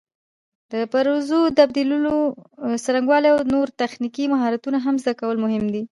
د پرزو تبدیلولو څرنګوالي او نور تخنیکي مهارتونه هم زده کول مهم دي.